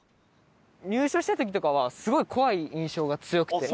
入所した時とかはすごい怖い印象が強くて。